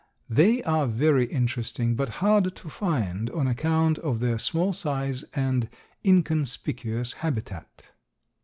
They are very interesting, but hard to find on account of their small size and inconspicuous habitat.